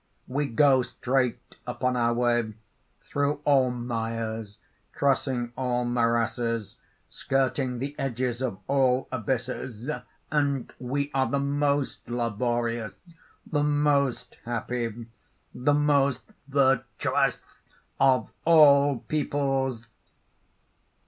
"We go straight upon our way, through all mires, crossing all morasses, skirting the edges of all abysses: and we are the most laborious, the most happy, the most virtuous of all peoples!"